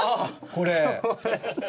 これ。